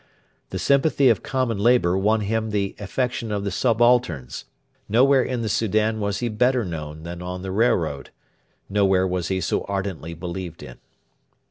The sympathy of common labour won him the affection of the subalterns. Nowhere in the Soudan was he better known than on the railroad. Nowhere was he so ardently believed in.